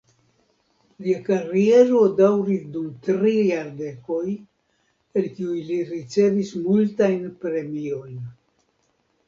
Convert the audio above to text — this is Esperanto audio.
Lia kariero daŭris dum tri jardekoj, en kiuj li ricevis multajn premiojn.